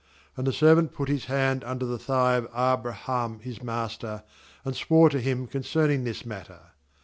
'And the serv ant put his hand under the thigh of A.braham his master, and swore to him concerning this matter.